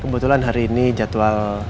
kebetulan hari ini jadwal